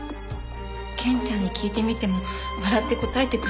ケンちゃんに聞いてみても笑って答えてくれなくて。